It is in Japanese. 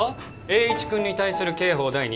栄一君に対する刑法